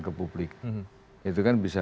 ke publik itu kan bisa